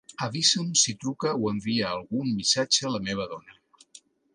Avisa'm si truca o envia algun missatge la meva dona.